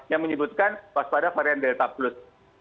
yang menyebutkan waspada varian delta plus